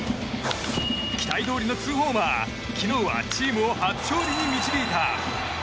期待どおりの２ホーマー昨日はチームを初勝利に導いた。